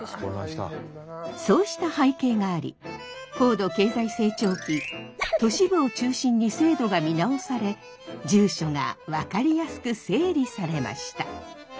そうした背景があり高度経済成長期都市部を中心に制度が見直され住所が分かりやすく整理されました。